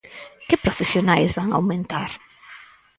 ¿Que profesionais van aumentar?